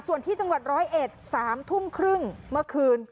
ส่วนที่จังหวัดร้อยเอ็ด๓ทุ่มครึ่งเมื่อคืน